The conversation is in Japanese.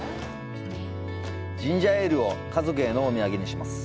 ジンジャーエールを家族へのお土産にします。